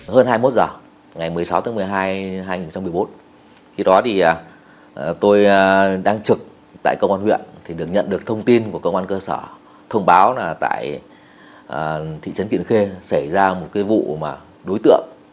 hơn hai mươi một h ngày một mươi sáu tháng một mươi hai hai nghìn một mươi bốn khi đó thì tôi đang trực tại công an huyện thì được nhận được thông tin của công an cơ sở thông báo là tại thị trấn kiện khê xảy ra một cái vụ mà đối tượng